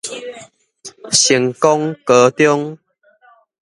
成功高中